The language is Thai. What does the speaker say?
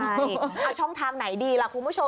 เอาช่องทางไหนดีล่ะคุณผู้ชม